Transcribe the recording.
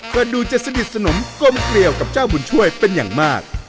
ก็ดูจะสนิทสนมกลมเกลียวกับเจ้าบุญช่วยเป็นอย่างมาก